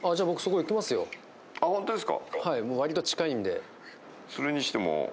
あホントですか？